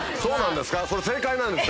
それ正解なんですか？